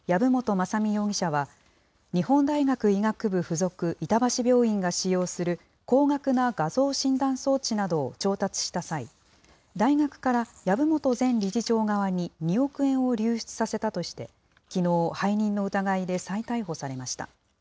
雅巳容疑者は、日本大学医学部附属板橋病院が使用する高額な画像診断装置などを調達した際、大学から籔本前理事長側に２億円を流出させたとして、きのう、背任の疑いで再逮捕されました。